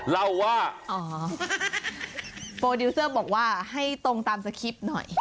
เล่าว่าอ๋อโปรดิวเซอร์บอกว่าให้ตรงตามสคริปต์หน่อย